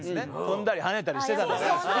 跳んだり跳ねたりしてたのは。